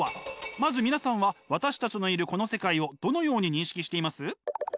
まず皆さんは私たちのいるこの世界をどのように認識しています？